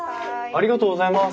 ありがとうございます。